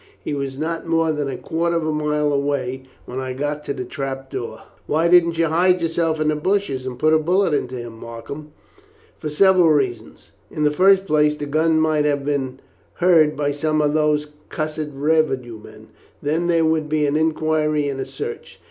He was not more than a quarter of a mile away when I got to the trap door." "Why didn't you hide yourself in the bushes and put a bullet into him, Markham?" "For several reasons. In the first place, the gun might have been heard by some of those cussed revenue men. Then there would be an inquiry and a search.